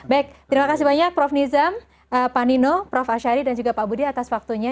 baik terima kasih banyak prof nizam pak nino prof ashari dan juga pak budi atas waktunya